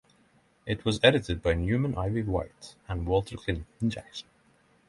It was edited by Newman Ivey White and Walter Clinton Jackson.